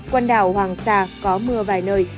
quần đảo hoàng sa có mưa vài nơi